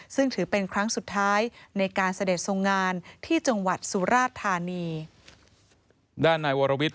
ซึ่งถือเป็นครั้งสุดท้ายในการสเดศงานที่จังหวัดสุราชธานี